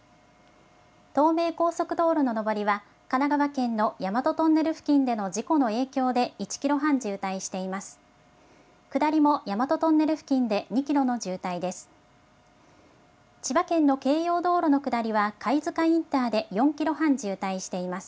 東名高速道路の上りは、神奈川県の大和トンネル付近での事故の影響で、１キロ半渋滞しています。